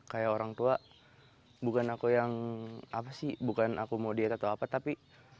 kayak orang tua bukan aku yang apa sih bukan aku mau diet atau apa tapi